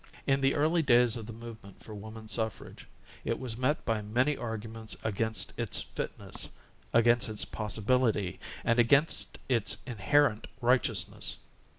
In the early days of the movement for woman suf frage it was met by many arguments against its fitness, against its possibility and against its inherent righteous ness.